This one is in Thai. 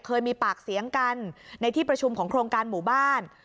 เคยมีปากเสียงกันในที่ประชุมของโครงการหมู่บ้าน